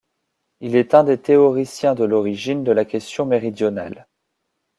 Il est un des théoriciens de l'origine de la question méridionale.